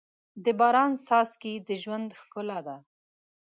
د باران څاڅکي د ژوند ښکلا ده.